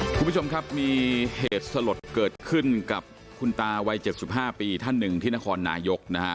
คุณผู้ชมครับมีเหตุสลดเกิดขึ้นกับคุณตาวัย๗๕ปีท่านหนึ่งที่นครนายกนะฮะ